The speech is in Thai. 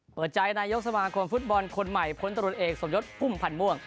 เปิดใจนายกสมาคมฟุตบอลคนใหม่พลตรวจเอกสมยศพุ่มพันธ์ม่วง